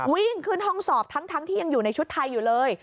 วิ่งขึ้นห้องสอบทั้งที่ยังอยู่ในชุดไทยอยู่เลย